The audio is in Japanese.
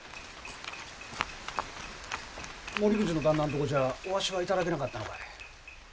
・森口の旦那のとこじゃお足は頂けなかったのかい。